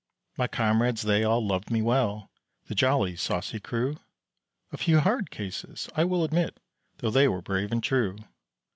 My comrades they all loved me well, The jolly, saucy crew; A few hard cases, I will admit, Though they were brave and true.